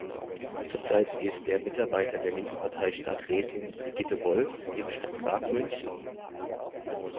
Zurzeit ist er Mitarbeiter der Linkspartei-Stadträtin Brigitte Wolf im Stadtrat München.